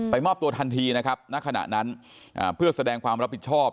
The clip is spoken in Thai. มอบตัวทันทีนะครับณขณะนั้นเพื่อแสดงความรับผิดชอบ